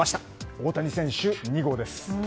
大谷選手２号です。